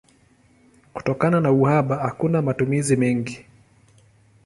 Kutokana na uhaba hakuna matumizi mengi.